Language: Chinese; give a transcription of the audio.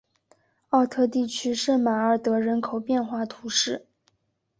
奥特地区圣马尔德人口变化图示